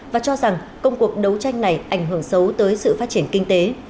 và cho rằng công cuộc đấu tranh này ảnh hưởng xấu tới sự phát triển kinh tế